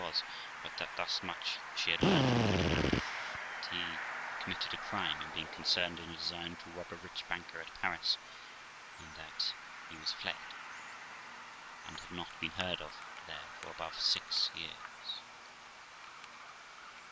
was; but that thus much she had learned from good hands, that he had committed a crime, in being concerned in a design to rob a rich banker at Paris ; and that he was fled, and had not been heard of there for above six years.